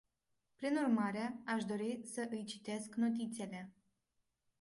Prin urmare, aș dori să îi citesc notițele.